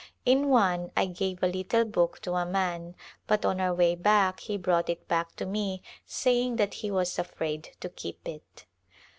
In one I gave a little book to a man, but on our way back he brought it back to me saying that he was afraid to keep it.